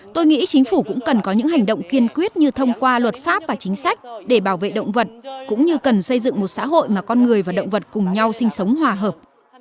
tôi nghĩ chính phủ cũng cần có những hành động kiên quyết như thông qua luật pháp và chính sách để bảo vệ động vật cũng như cần xây dựng một xã hội mà con người và động vật cùng nhau sinh sống hòa hợp